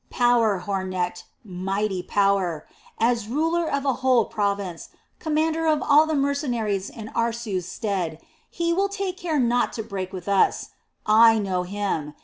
"Power, Hornecht mighty power! As ruler of a whole province, commander of all the mercenaries in Aarsu's stead, he will take care not to break with us. I know him.